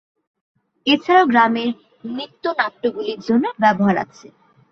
এছাড়াও গ্রামের নৃত্য-নাট্যগুলির জন্য এর ব্যবহার আছে।